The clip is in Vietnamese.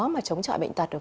mà chống chọi bệnh tật được